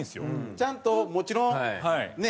ちゃんともちろんねっ？